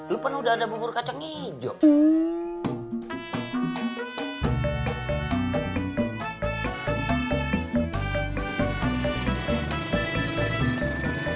lu pan udah ada bubur kacang hijau